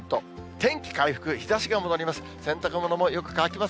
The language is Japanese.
天気回復、日ざしが戻ります。